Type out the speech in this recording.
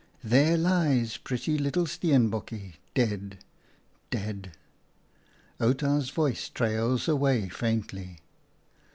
There lies pretty little Steenbokje, dead, dead." Outa's voice trails away faintly.